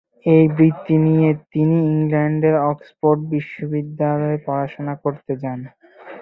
এই বৃত্তি নিয়ে তিনি ইংল্যান্ডের অক্সফোর্ড বিশ্ববিদ্যালয়ে পড়াশোনা করতে যান।